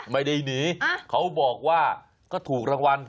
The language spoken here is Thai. ไม่ได้หนีเขาบอกว่าก็ถูกรางวัล